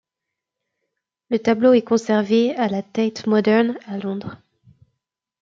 Le tableau est conservé à la Tate Modern à Londres.